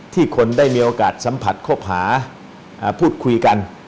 คนได้มีโอกาสสัมผัสคบหาพูดคุยกัน